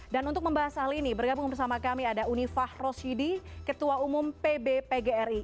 dan untuk membahas hal ini bergabung bersama kami ada unifah roshidi ketua umum pb pgri